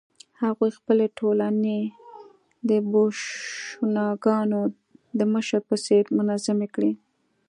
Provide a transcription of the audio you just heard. هغوی خپلې ټولنې د بوشونګانو د مشر په څېر منظمې کړې.